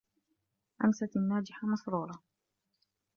أَمْسَتْ النَّاجِحَةُ مَسْرُورَةً.